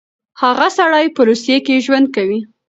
هغه سړی به په روسيه کې ژوند کوي.